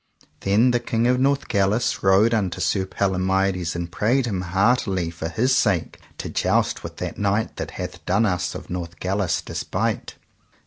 Then the King of Northgalis rode unto Sir Palomides and prayed him heartily for his sake to joust with that knight that hath done us of Northgalis despite.